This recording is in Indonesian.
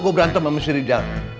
kok berantem sama si rizal